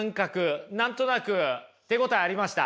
何となく手応えありました？